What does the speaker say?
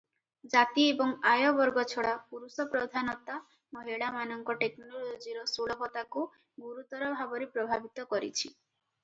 ଜାତି ଏବଂ ଆୟ ବର୍ଗ ଛଡ଼ା ପୁରୁଷପ୍ରଧାନତା ମହିଳାମାନଙ୍କ ଟେକ୍ନୋଲୋଜିର ସୁଲଭତାକୁ ଗୁରୁତର ଭାବରେ ପ୍ରଭାବିତ କରିଛି ।